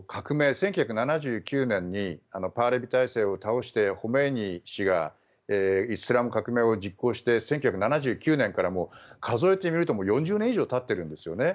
１９７９年にパーレビ体制を倒してホメイニ師がイスラム革命を実行して１９７９年から数えてみるともう４０年以上たってるんですよね。